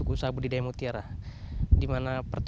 meja budidaya mutiara saya kira dia adalah positif dari alera gelap